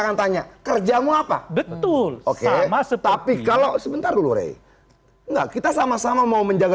nantanya kerja mau apa betul oke masa tapi kalau sebentar dulu reh enggak kita sama sama mau menjaga